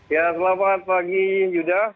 ya selamat pagi yuda